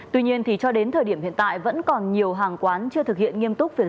tuy nhiên cho đến thời điểm hiện tại vẫn còn nhiều hàng quán chưa thực hiện nghiêm túc